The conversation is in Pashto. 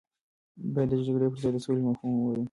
باید د جګړې پر ځای د سولې مفهوم ووایم.